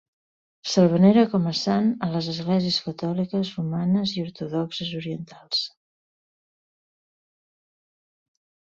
S'el venera com a sant a les esglésies Catòliques Romanes i Ortodoxes Orientals.